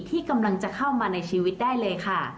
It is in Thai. ที่กำลังจะเข้ามาในชีวิตได้เลยค่ะ